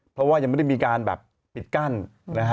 เพราะว่ายังไม่ได้มีการแบบปิดกั้นนะฮะ